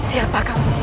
siap pak kamu